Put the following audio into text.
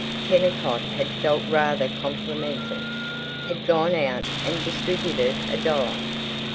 Kennicott had felt rather complimented; had gone out and distributed a dollar.